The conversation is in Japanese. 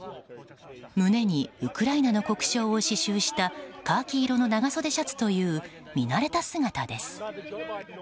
胸にウクライナの国章を刺しゅうしたカーキ色の長袖シャツという見慣れた姿です。